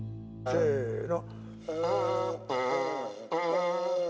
せの。